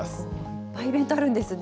いっぱいイベントあるんですね。